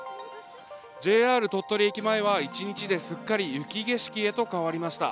ＪＲ鳥取駅前は一日で、すっかり雪景色へと変わりました。